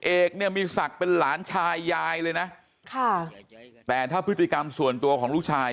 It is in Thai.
เอกเนี่ยมีศักดิ์เป็นหลานชายยายเลยนะค่ะแต่ถ้าพฤติกรรมส่วนตัวของลูกชาย